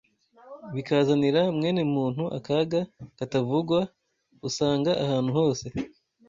bikazanira mwenemuntu akaga katavugwa. Usanga ahantu hose